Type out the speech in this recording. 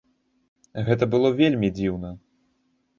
Гэта было вельмі дзіўна.